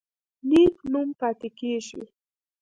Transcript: نیک نوم پاتې کیږي